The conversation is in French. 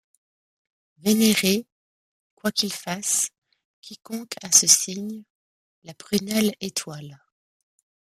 Vénérez, quoi qu’il fasse, quiconque a ce signe, la prunelle étoile.